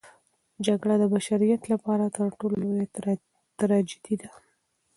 جګړه د بشریت لپاره تر ټولو لویه تراژیدي ده.